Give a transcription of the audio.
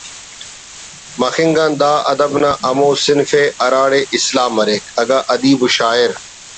مخنگ آن دا ادب نا ہمو صنف ءِ ہراڑے اصلاح مریک اگہ ادیب و شاعر